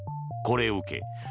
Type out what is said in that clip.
これを受け